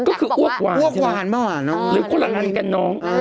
ก็คืออ้วกวานหรือคนละอันกันน้อง